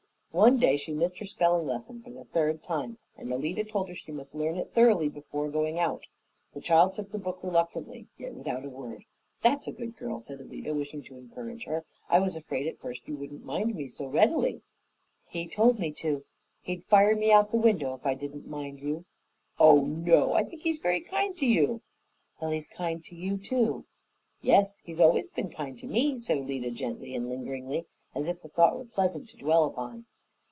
One day she missed her spelling lesson for the third time, and Alida told her that she must learn it thoroughly before going out. The child took the book reluctantly, yet without a word. "That's a good girl!" said Alida, wishing to encourage her. "I was afraid at first you wouldn't mind me so readily." "He told me to. He'd fire me out the window if I didn't mind you." "Oh, no! I think he's very kind to you." "Well, he's kind to you, too." "Yes, he has always been kind to me," said Alida gently and lingeringly, as if the thought were pleasant to dwell upon.